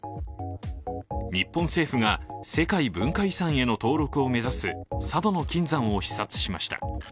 日本政府が世界文化遺産への登録を目指す佐渡島の金山を視察しました。